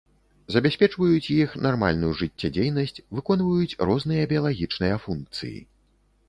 Забяспечваюць іх нармальную жыццядзейнасць, выконваюць розныя біялагічныя функцыі.